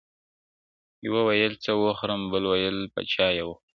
يوه ويل څه وخورم ، بل ويل په چا ئې وخورم.